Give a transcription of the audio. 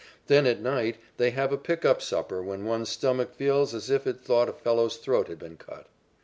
Then at night they have a pick up supper when one's stomach feels as if it thought a fellow's throat had been cut.